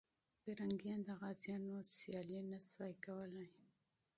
پرنګیان د غازيانو مقابله نه سوه کولای.